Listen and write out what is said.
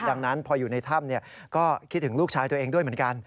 ดังนั้นพออยู่ในถ้ำก็คิดถึงลูกชายตัวเองด้วยเหมือนกัน